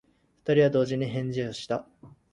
二人は同時に返事をした。